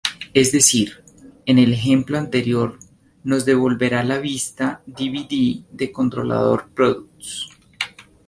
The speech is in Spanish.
Es decir, en el ejemplo anterior, nos devolverá la vista dvd del controlador products.